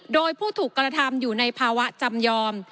โดยผู้ถูกกระทำอยู่ในภาวะจำยอม